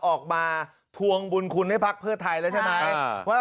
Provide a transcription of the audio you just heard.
ออกมาทวงบุญคุณให้พักเพื่อไทยแล้วใช่ไหม